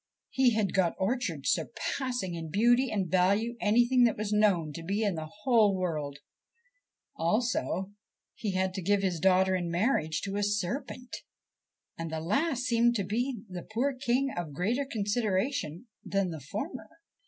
He had got orchards surpassing in beauty and value anything that was known to be in the whole world ; also he had to give his daughter in marriage to a serpent, and the last seemed to the poor King of greater consideration than the former.